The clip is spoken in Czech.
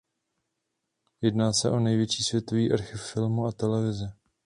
Jedná se o největší světový archiv filmu a televize.